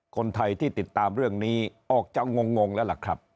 คนไทยที่ติดตามเรื่องนี้ออกจะงงแล้วล่ะครับ